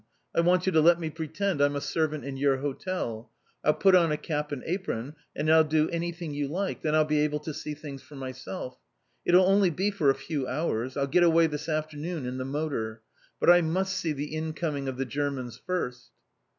I want you to let me pretend I'm a servant in your hotel. I'll put on a cap and apron, and I'll do anything you like; then I'll be able to see things for myself. It'll only be for a few hours. I'll get away this afternoon in the motor. But I must see the incoming of the Germans first!"